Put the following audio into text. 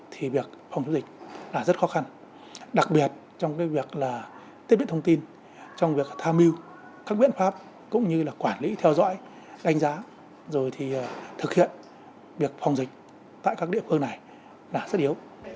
thì việc phòng dịch là rất khó khăn đặc biệt trong việc tiếp bị thông tin trong việc tham mưu các biện pháp cũng như là quản lý theo dõi đánh giá rồi thì thực hiện việc phòng dịch tại các địa phương này là rất yếu